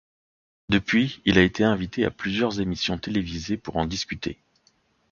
Depuis, il a été invité à plusieurs émissions télévisées pour en discuter.